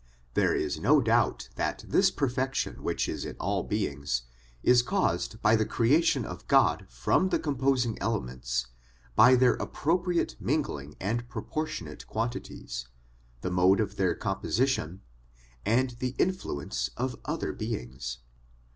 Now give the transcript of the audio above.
There is no doubt that this perfection which is in all beings, is caused by the creation of God from the composing elements, by their appropriate mingling and propor tionate quantities, the mode of their composition, and the influence of other beings.